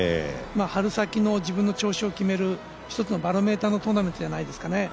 春先の自分の調子を決める一つのバロメーターのトーナメントじゃないですかね。